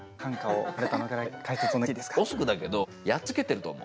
恐らくだけどやっつけてると思う。